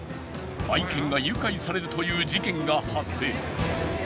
［愛犬が誘拐されるという事件が発生］